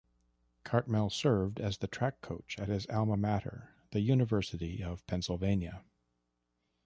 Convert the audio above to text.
Cartmell served as the track coach at his alma mater, the University of Pennsylvania.